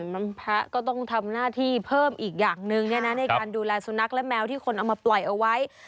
น้ำพระก็ต้องทำหน้าที่เพิ่มอีกอย่างหนึ่งในการดูแลสุนัขและแมวที่คนเอามาปล่อยเอาไว้